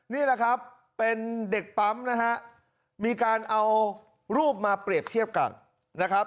นี่แหละครับเป็นเด็กปั๊มนะฮะมีการเอารูปมาเปรียบเทียบกันนะครับ